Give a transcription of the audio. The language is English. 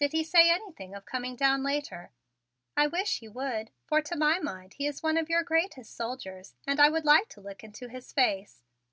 Did he say anything of coming down later? I wish he would, for to my mind he is one of your greatest soldiers and I would like to look into his face.